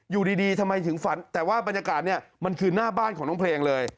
อยู่ดีทำไมถึงฝันแต่ว่าบรรยากาศเนี่ยมันคือหน้าบ้านของน้องเพลงเลย